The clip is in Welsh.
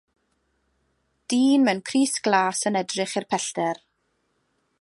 Dyn mewn crys glas yn edrych i'r pellter.